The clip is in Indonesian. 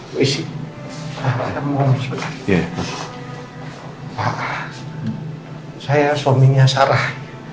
pak saya suaminya sarah